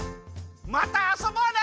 またあそぼうね！